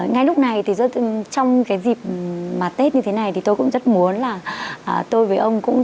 ngay lúc này thì trong cái dịp mà tết như thế này thì tôi cũng rất muốn là tôi với ông cũng